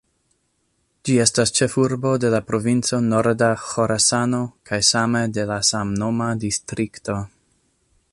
Ĝi estas ĉefurbo de la Provinco Norda Ĥorasano kaj same de la samnoma distrikto.